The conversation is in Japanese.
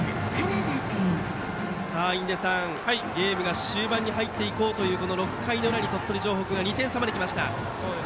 印出さん、ゲームが終盤に入っていこうというこの６回の裏に鳥取城北が２点差まできました。